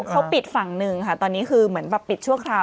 เขาปิดฝั่งหนึ่งค่ะตอนนี้คือเหมือนแบบปิดชั่วคราว